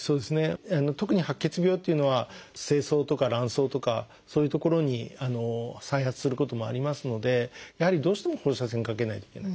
特に白血病っていうのは精巣とか卵巣とかそういう所に再発することもありますのでやはりどうしても放射線かけないといけない。